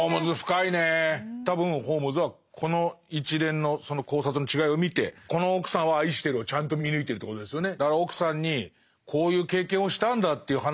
多分ホームズはこの一連のその考察の違いを見てこの奥さんは愛してるをちゃんと見抜いてるということですよね。